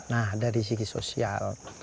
nah dari segi sosial